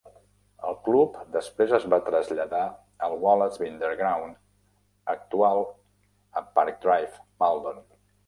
El club després es va traslladar al Wallace Binder Ground actual a Park Drive, Maldon.